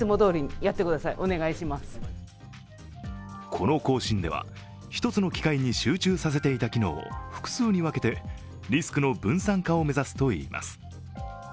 この更新では、１つの機械に集中させていた機能を複数に分けてリスクの分散化を目指すといいます。